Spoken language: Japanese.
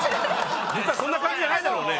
実はそんな感じじゃないだろうね。